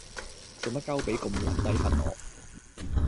做乜鳩畀咁撚低分我